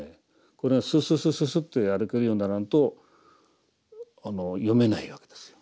これがスススススッと歩けるようにならんと読めないわけですよ。